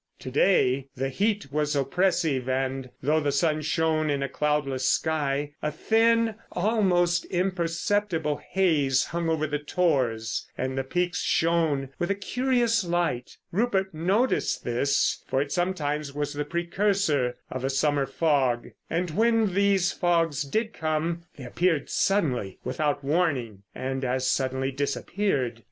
To day the heat was oppressive, and though the sun shone in a cloudless sky a thin, almost imperceptible, haze hung over the tors, and the peaks shone with a curious light. Rupert noted this, for it sometimes was the precursor of a summer fog, and when these fogs did come they appeared suddenly, without warning—and as suddenly disappeared.